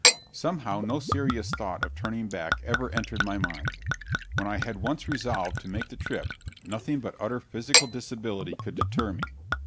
Somehow no serious thought of turning back ever entered my mind. When I had once resolved to make the trip, nothing but utter physical disability could deter me.